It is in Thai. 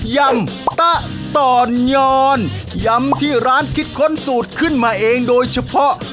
ยำตะต่อนยอนยำที่ร้านคิดค้นสูตรขึ้นมาเองโดยเฉพาะ